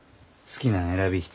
好きなん選び。